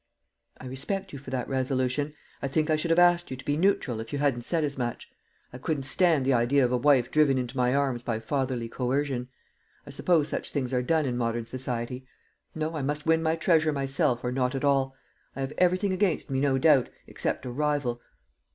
"I respect you for that resolution; I think I should have asked you to be neutral, if you hadn't said as much. I couldn't stand the idea of a wife driven into my arms by fatherly coercion. I suppose such things are done in modern society. No, I must win my treasure myself, or not at all. I have everything against me, no doubt, except a rival.